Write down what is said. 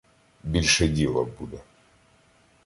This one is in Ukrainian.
Більше діла буде.